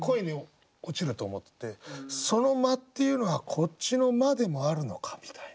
その「魔」っていうのはこっちの「魔」でもあるのかみたいな。